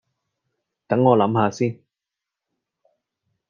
等我諗吓先